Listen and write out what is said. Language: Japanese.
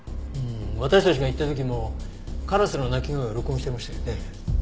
私たちが行った時もカラスの鳴き声を録音してましたよね。